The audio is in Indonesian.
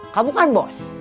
kamu kan bos